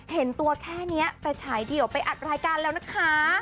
เห็นตัวแค่นี้แต่ฉายเดี่ยวไปอัดรายการแล้วนะคะ